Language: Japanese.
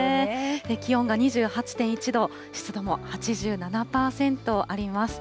気温が２８．１度、湿度も８７％あります。